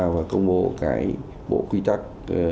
và công bố cái bộ quy tắc